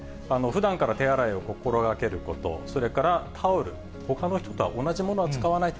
ふだんから手洗いを心がけること、それからタオル、ほかの人とは同じものは使わない。